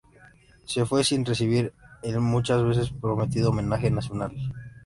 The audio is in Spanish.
Se fue sin recibir el muchas veces prometido homenaje nacional.